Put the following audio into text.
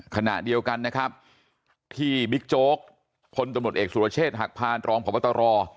ขณะเดียวกันนะครับที่บิ๊กโจ๊กพลตำรวจเอกสุรเชษฐ์หักพานรองพบตร